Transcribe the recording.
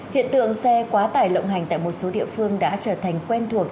hiện tượng xe quá tải lộng hành tại một số địa phương đã trở thành quen thuộc